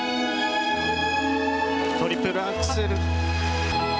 トリプルアクセル。